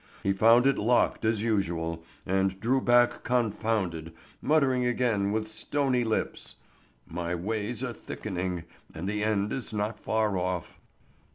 He found it locked as usual and drew back confounded, muttering again with stony lips, "My ways are thickening, and the end is not far off."